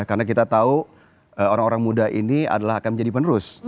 karena kita tahu orang orang muda ini adalah akan menjadi penerus